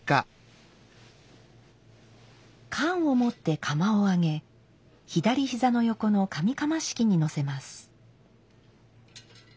鐶を持って釜を上げ左膝の横の紙釜敷にのせます。